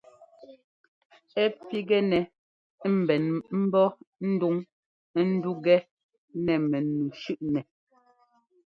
Ɛ́ pigɛnɛ́ ḿbɛn ḿbɔ́ ndúŋ ńdúkɛ nɛ mɛnu shʉ́ꞌnɛ.